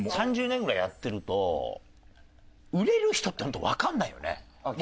３０年ぐらいやってると売れる人って本当わからないよね。